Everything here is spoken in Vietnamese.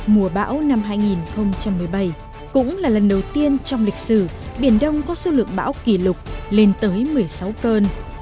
mùa bão năm hai nghìn một mươi bảy cũng là lần đầu tiên trong lịch sử biển đông có số lượng bão kỷ lục lên tới một mươi sáu cơn